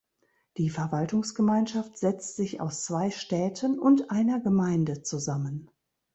Die Verwaltungsgemeinschaft setzt sich aus zwei Städten und einer Gemeinde zusammen.